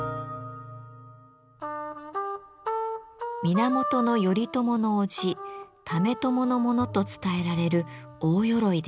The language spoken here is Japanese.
源頼朝の叔父為朝のものと伝えられる大鎧です。